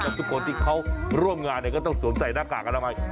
ทุกคนที่เขาร่วมงานก็ต้องสวมใส่หน้ากากอนามัย